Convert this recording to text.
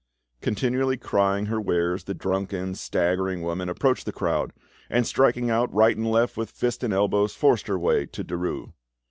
Continually crying her wares, the drunken, staggering woman approached the crowd, and striking out right and left with fists and elbows, forced her way to Derues.